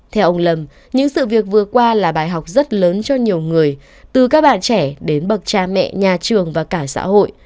theo ông lâm những sự việc vừa qua là bài học rất lớn cho nhiều người từ các bạn trẻ đến bậc cha mẹ nhà trường và cả xã hội